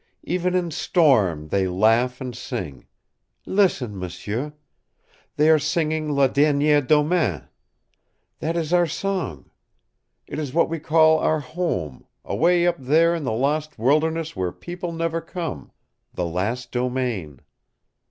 "Even in storm they laugh and sing. Listen, m'sieu. They are singing La Derniere Domaine. That is our song. It is what we call our home, away up there in the lost wilderness where people never come the Last Domain.